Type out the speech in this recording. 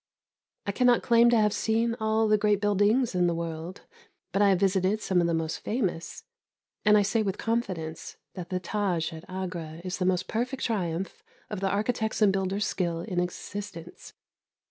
I cannot claim to have seen all the great buildings in the world, but I have visited some of the most famous, and I say with confidence that the Tâj at Agra is the most perfect triumph of the architect's and builder's skill in existence.